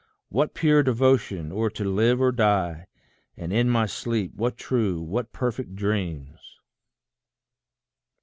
What pure devotion, or to live or die! And in my sleep, what true, what perfect dreams!